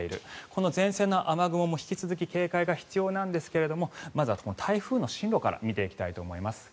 この前線の雨雲も引き続き警戒が必要なんですがまずは台風の進路から見ていきたいと思います。